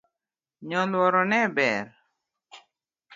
Nyoluoro ne ber